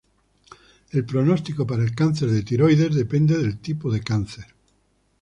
El pronóstico para el cáncer de tiroides depende del tipo de cáncer.